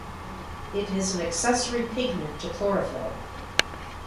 It is an accessory pigment to chlorophyll.